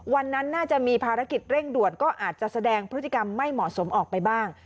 น่าจะมีภารกิจเร่งด่วนก็อาจจะแสดงพฤติกรรมไม่เหมาะสมออกไปบ้าง